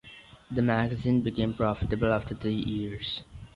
The magazine became profitable after three years.